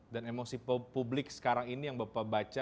dan emosi publik sekarang ini yang bapak baca